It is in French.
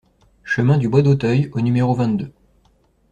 Chemin du Bois d'Auteuil au numéro vingt-deux